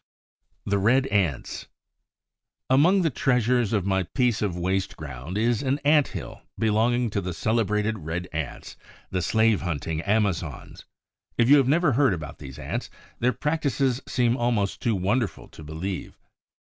THE RED ANTS Among the treasures of my piece of waste ground is an ant hill belonging to the celebrated Red Ants, the slave hunting Amazons. If you have never heard about these Ants, their practices seem almost too wonderful to believe.